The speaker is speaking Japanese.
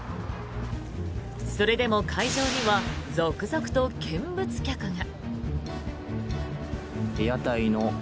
それでも会場には続々と見物客が。